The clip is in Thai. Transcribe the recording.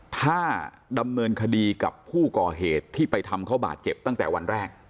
ถ้าดำเนินคดีกับผู้ก่อเหตุที่ไปทำเขาบาดเจ็บตั้งแต่วันแรก